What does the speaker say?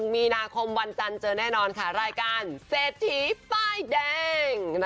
มีนาคมวันจันทร์เจอแน่นอนค่ะรายการเศรษฐีป้ายแดง